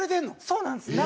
そうなんですよ。